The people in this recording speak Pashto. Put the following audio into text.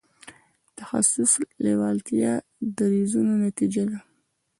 تخصص لېوالتیا دریځونو نتیجه ده.